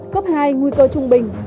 cấp hai nguy cơ trung bình